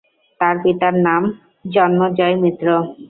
তার পিতার নাম জন্মজয় মিত্র।